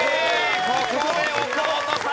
ここで岡本さん